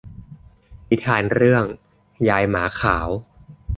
นิทานเรื่องยายหมาขาว